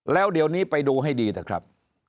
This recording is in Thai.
แล้วเดี๋ยวนี้ไปดูให้ดีเถอะครับ